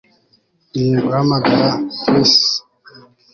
Ngiye guhamagara Chris